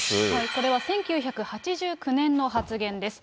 これは１９８９年の発言です。